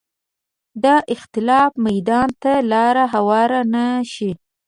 د اختلاف میدان ته لاره هواره نه شي